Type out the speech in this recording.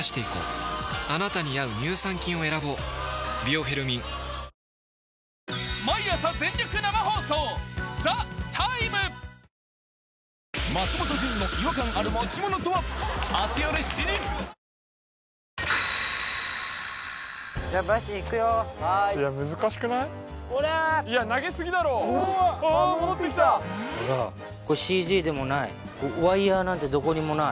これＣＧでもない